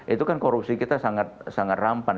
itu kan korupsi kita sangat rampan